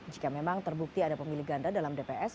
jika memang terbukti ada pemilih ganda dalam dps